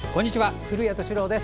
古谷敏郎です。